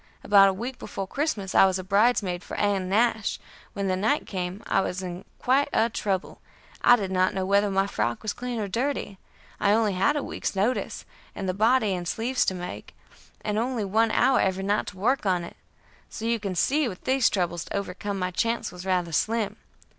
About a week before Christmas I was bridesmaid for Ann Nash; when the night came I was in quite a trouble; I did not know whether my frock was clean or dirty; I only had a week's notice, and the body and sleeves to make, and only one hour every night to work on it, so you can see with these troubles to overcome my chance was rather slim.